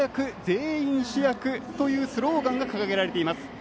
・全員主役というスローガンが掲げられています。